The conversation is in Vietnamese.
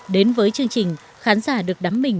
đến với chương trình khán giả được đắm mình